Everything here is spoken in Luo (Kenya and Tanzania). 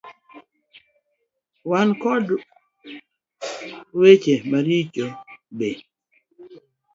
Wan koda weche maricho bende.